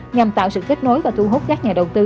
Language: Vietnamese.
nhằm tạo sự kết nối và thu hút các nhà đầu tư